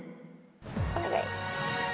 お願い！